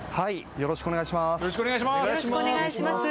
よろしくお願いします！